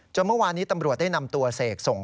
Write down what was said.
เมื่อวานี้ตำรวจได้นำตัวเสกส่ง